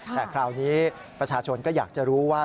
แต่คราวนี้ประชาชนก็อยากจะรู้ว่า